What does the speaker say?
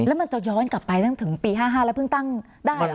แล้วมันจะย้อนกลับไปตั้งแต่ถึงปี๕๕แล้วเพิ่งตั้งได้เหรอ